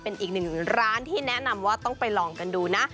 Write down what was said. เป็นอีกหนึ่งร้านที่แนะนำว่าต้องไปลองกันดูนะ